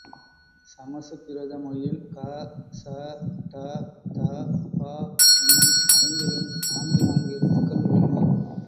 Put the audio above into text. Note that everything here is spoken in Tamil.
சமசுகிருத மொழியில் க, ச, ட, த, ப, என்னும் ஐந்திலும் நான்கு நான்கு எழுத்துகள் உள்ளன.